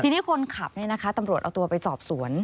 ทีนี้คนขับตำรวจเอาตัวไปสอบสวน